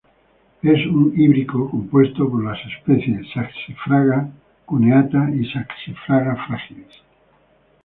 Es un híbrido compuesto por las especies "Saxifraga cuneata" y "Saxifraga fragilis".